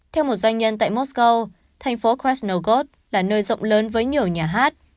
theo một doanh nhân tại moscow thành phố krasnogorsk là nơi rộng lớn với nhiều nhà hát